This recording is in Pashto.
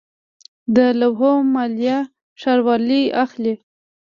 د لوحو مالیه ښاروالۍ اخلي